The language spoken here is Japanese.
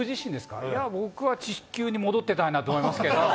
僕は地球に戻っていたいなと思いますけど。